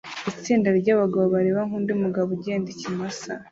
Itsinda ryabagabo bareba nkundi mugabo ugenda ikimasa